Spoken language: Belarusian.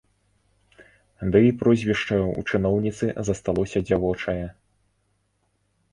Ды і прозвішча ў чыноўніцы засталося дзявочае.